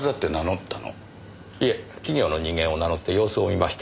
いえ企業の人間を名乗って様子を見ました。